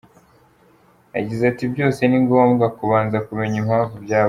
Yagize ati“Byose ni ngombwa kubanza kumenya impamvu byabaye.